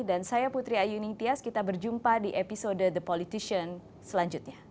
dan saya putri ayu nintias kita berjumpa di episode the politician selanjutnya